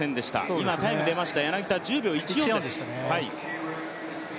今、タイム出ました、柳田、１０秒１４です。